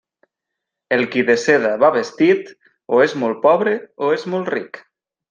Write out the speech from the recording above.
El qui de seda va vestit, o és molt pobre o és molt ric.